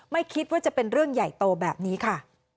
ไม่คิดว่าจะเป็นเรื่องใหญ่โตแบบนี้ค่ะ